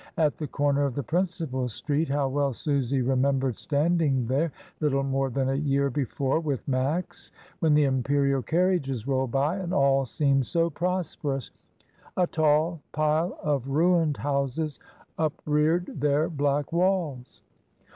At the comer of the principal street (how well Susy remembered standing there little more than a year before with Max, when the Imperial carriages rolled by and all seemed so prosperous) a tall pile of ruined houses upreared their black walls.